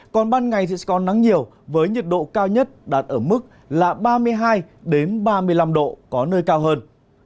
còn ban ngày thì có nắng nhiều với nhiệt độ cao nhất đạt ở mức là ba mươi hai ba mươi năm độ có nơi cao hơn